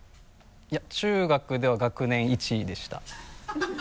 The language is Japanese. いや中学では学年１位でした。